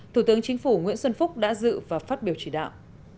thủ tướng chính phủ nguyễn xuân phúc đã dự và phát biểu chỉ đạo